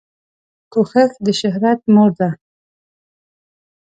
کوښښ دشهرت مور ده